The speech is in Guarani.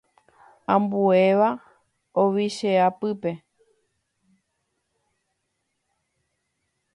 Ambuéva ovichea pype.